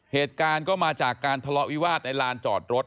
เหตุการณ์ก็มาจากการทะเลาะวิวาสในลานจอดรถ